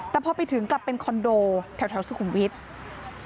แต่พอไปถึงกลับเป็นคอนโดแถวสุขุมวิทย์